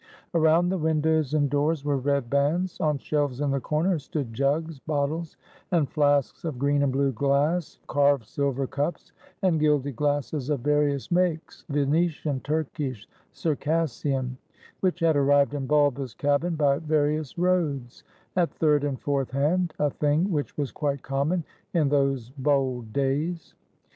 Around the windows and doors were red bands. On shelves in the corner stood jugs, bot tles, and flasks of green and blue glass, carved silver cups, and gilded glasses of various makes, — Venetian, Turkish, Circassian, — which had arrived in Bulba's cabin by various roads, at third and fourth hand, a thing which was quite common in those bold days.